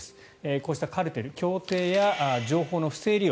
こうしたカルテル、協定や情報の不正利用